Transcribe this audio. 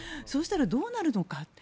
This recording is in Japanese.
そうしたらどうなるのか。